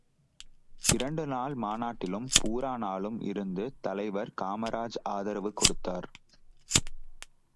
இரண்டு நாள் மாநாட்டிலும், பூரா நாளும் இருந்து தலைவர் காமராஜ் ஆதரவு கொடுத்தார்.